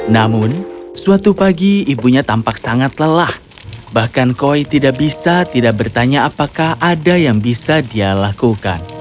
namun suatu pagi ibunya tampak sangat lelah bahkan koi tidak bisa tidak bertanya apakah ada yang bisa dia lakukan